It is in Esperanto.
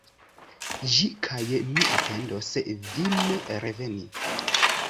Ĝi kaj mi atendos vin reveni.